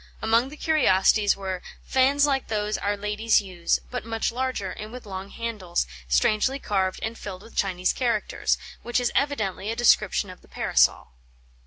Among the curiosities were "fans like those our ladies use, but much larger, and with long handles, strangely carved and filled with Chinese characters," which is evidently a description of the Parasol.